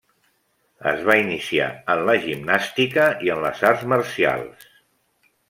Es va iniciar en la gimnàstica i en les arts marcials.